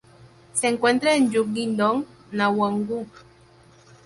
Se encuentra en Junggye-dong, Nowon-gu.